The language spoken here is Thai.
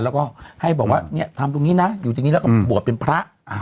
แล้วก็ให้บอกว่าเนี่ยทำตรงนี้นะอยู่ตรงนี้แล้วก็บวชเป็นพระ